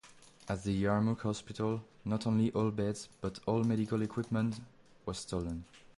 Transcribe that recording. At the Yarmuk Hospital, not only all beds, but all medical equipment was stolen.